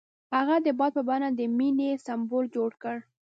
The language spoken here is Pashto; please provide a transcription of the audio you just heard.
هغه د باد په بڼه د مینې سمبول جوړ کړ.